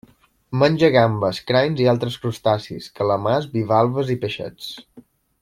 Menja gambes, crancs i d'altres crustacis, calamars, bivalves i peixets.